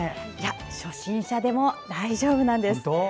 初心者でも大丈夫なんです。